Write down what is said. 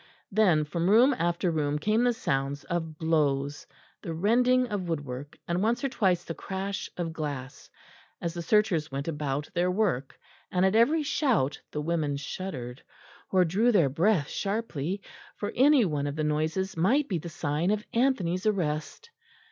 Then from room after room came the sounds of blows, the rending of woodwork, and once or twice the crash of glass, as the searchers went about their work; and at every shout the women shuddered or drew their breath sharply, for any one of the noises might be the sign of Anthony's arrest.